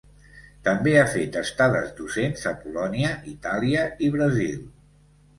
També ha fet estades docents a Polònia, Itàlia i Brasil.